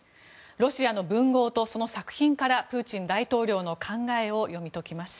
ロシアの文豪と、その作品からプーチン大統領の考えを読み解きます。